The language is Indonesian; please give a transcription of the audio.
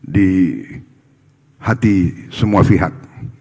di hati semua pihak